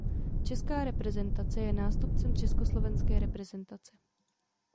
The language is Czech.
Česká reprezentace je nástupcem československé reprezentace.